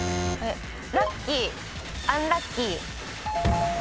ラッキーアンラッキー。